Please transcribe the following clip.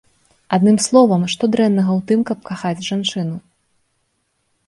Адным словам, што дрэннага ў тым, каб кахаць жанчыну?